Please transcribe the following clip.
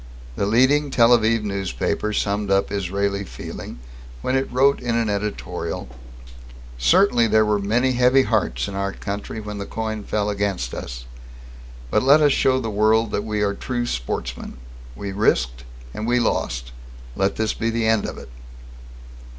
The leading Tel Aviv newspaper summed up Israeli feeling when it wrote in an editorial: "Certainly there were many heavy hearts in our country when the coin fell against us. But let us show the world that we are true sportsmen. We risked, and we lost. Let this be the end of it."